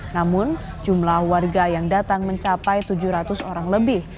namun jumlah warga yang datang mencapai tujuh ratus orang lebih